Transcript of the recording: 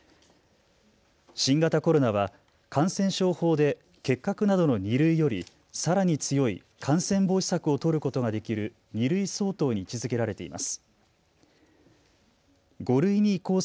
新型コロナは感染症法で結核などの２類よりさらに強い感染防止策を取ることができる２類相当に位置づけられています。